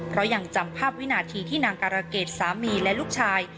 เพราะยังจำภาพวินาทีที่นางการะเกดสามีและลูกชาย